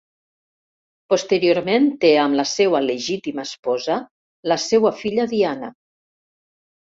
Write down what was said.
Posteriorment té amb la seua legítima esposa la seua filla Diana.